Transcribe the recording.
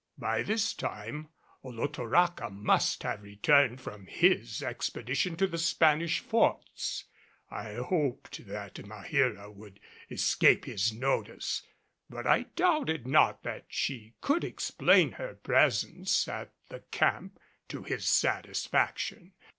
By this time Olotoraca must have returned from his expedition to the Spanish Forts. I hoped that Maheera would escape his notice, but I doubted not that she could explain her presence at the camp to his satisfaction.